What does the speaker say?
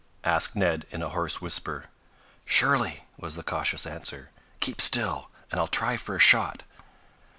asked Ned, in a hoarse whisper. "Surely," was the cautious answer. "Keep still, and I'll try for a shot."